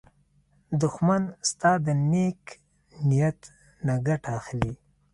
دښمن ستا د نېک نیت نه ګټه اخلي